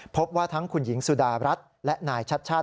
พบว่าทั้งคุณหญิงสุดารัฐและนายชัดชาติ